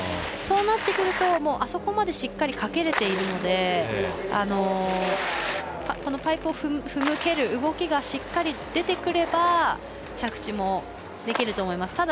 そうなってくるとあそこまで、しっかりかけれているのでパイプを踏む、蹴る動きがしっかり出てくれば着地もできると思います。